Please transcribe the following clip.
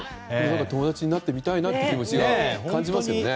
友達になってみたいなって気持ちが。感じますよね。